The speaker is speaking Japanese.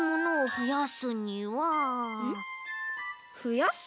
ふやす。